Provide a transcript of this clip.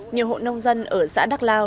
nhiều hộ nông dân ở xã đắk lao